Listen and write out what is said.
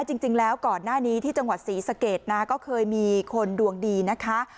จริงแล้วก่อนหน้านี้ที่จังหวัดศรีสะเกดนะก็เคยมีคนดวงดีนะคะ